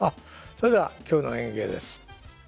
それでは今日の演芸です。